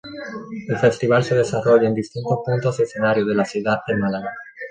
El Festival se desarrolla en distintos puntos y escenarios de la ciudad de Málaga.